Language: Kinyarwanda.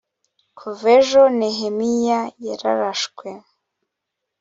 kuva ejo nehemiya yararashwe